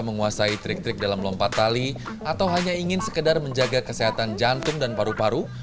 menguasai trik trik dalam lompat tali atau hanya ingin sekedar menjaga kesehatan jantung dan paru paru